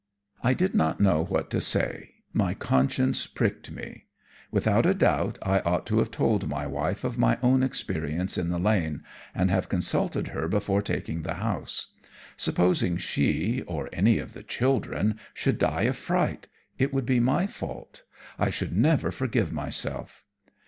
I did not know what to say. My conscience pricked me. Without a doubt I ought to have told my wife of my own experience in the lane, and have consulted her before taking the house. Supposing she, or any of the children, should die of fright, it would be my fault. I should never forgive myself.